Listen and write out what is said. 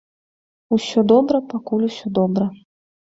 Усё добра, пакуль усё добра.